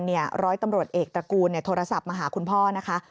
ร้อยตำรวจเอกตระกูลโทรศัพท์มาหาคุณพ่อนะคะ